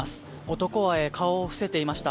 男は顔を伏せていました。